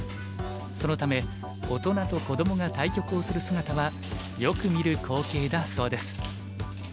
そのため大人とこどもが対局をする姿はよく見る光景だそうです。